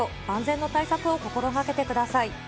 万全の対策を心がけてください。